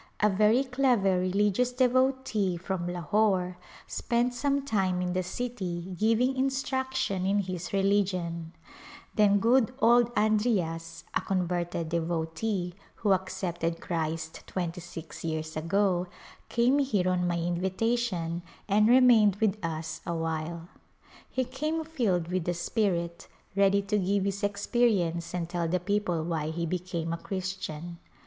A very clever religious devotee from Lahore spent some time in the city giving in struction in his religion ; then good old Andriyas, a converted devotee, who accepted Christ twenty six years ago, came here on my invitation and remained with us a while. He came filled with the Spirit, ready to give his experience and tell the people why he became a Christian.